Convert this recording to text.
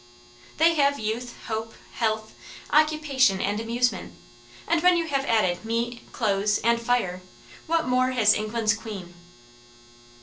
They have youth, hope, health, occupation, and amusement, and when you have added "meat, clothes, and fire," what more has England's queen?